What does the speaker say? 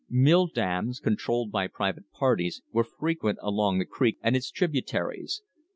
Mill dams, controlled by private parties, were frequent along the creek and its tributaries.